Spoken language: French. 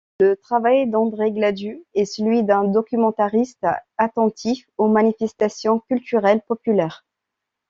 Le travail d'André Gladu est celui d'un documentariste attentif aux manifestations culturelles populaires.